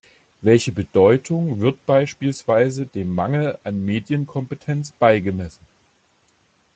Welche Bedeutung wird beispielsweise dem Mangel an Medienkompetenz beigemessen?